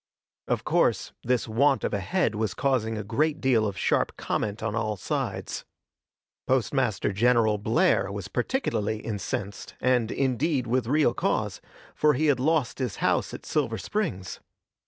Of course, this want of a head was causing a great deal of sharp comment on all sides. Postmaster General Blair was particularly incensed, and, indeed, with real cause, for he had lost his house at Silver Springs.